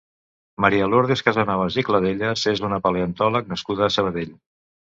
Maria Lourdes Casanovas i Cladellas és una paleontòleg nascuda a Sabadell.